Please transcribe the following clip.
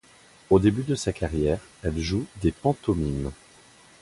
Au début de sa carrière, elle joue des pantomimes.